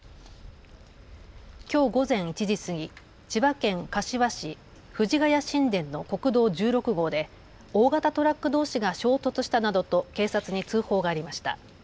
きょう午前１時過ぎ、千葉県柏市藤ケ谷新田の国道１６号で大型トラックどうしが衝突したなどと警察に通報がありました。